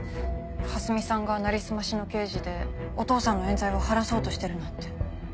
蓮見さんがなりすましの刑事でお父さんの冤罪を晴らそうとしてるなんて。